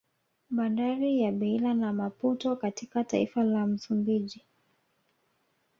Bandari ya Beila na Maputo katka taifa la Msumbiji